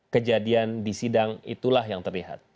kejadian di sidang itulah yang terlihat